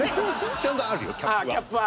ちゃんとあるよキャップは。